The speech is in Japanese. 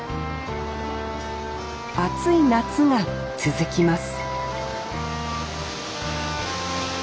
暑い夏が続きます